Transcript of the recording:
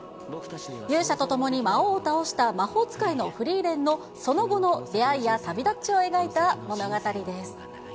勇者と共に魔王を倒した魔法使いのフリーレンの、その後の出会いや旅立ちを描いた物語です。